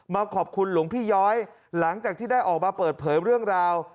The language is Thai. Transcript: มาขอบคุณหลวงพี่ย้อยหลังจากที่ได้ออกมาเปิดเผยเรื่องราว